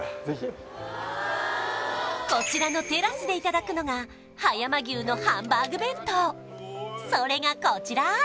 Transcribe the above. ぜひこちらのテラスでいただくのが葉山牛のハンバーグ弁当それがこちら！